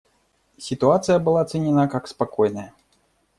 Ситуация была оценена как спокойная.